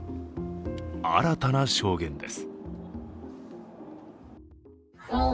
新たな証言です。